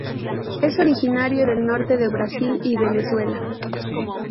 Es originario del norte de Brasil y Venezuela.